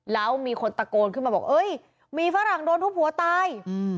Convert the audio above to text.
แล้วมีคนตะโกนขึ้นมาบอกเอ้ยมีฝรั่งโดนทุบหัวตาย